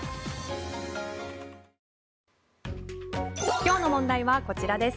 今日の問題はこちらです。